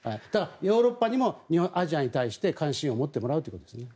ヨーロッパにもアジアに関して関心を持ってもらうということですね。